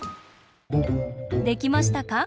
できましたか？